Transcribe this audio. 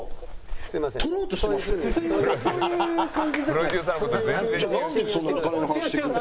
そういう感じじゃないです。